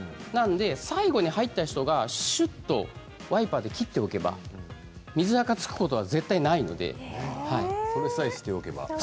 最後に入った人がしゅっとワイパーで水けを切っておけば水あかがつくことは絶対にないのでそれさえしておけば。